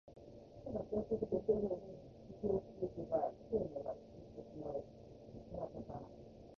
ただ消極的に環境に適応してゆく場合、生命は萎縮してしまうのほかない。